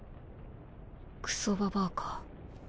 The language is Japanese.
クソババアか。